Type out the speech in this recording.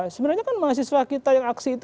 sebenarnya kan mahasiswa kita yang aksi itu